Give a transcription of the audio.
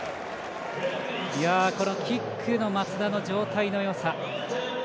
このキックの松田の状態のよさ。